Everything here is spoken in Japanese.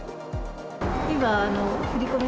今振り込め